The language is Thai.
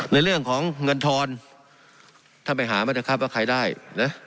ในเรื่องของเงินทอนท่านไปหามาเถอะครับว่าใครได้นะ